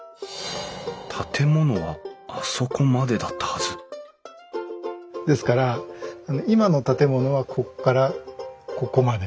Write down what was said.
建物はあそこまでだったはずですから今の建物はここからここまで。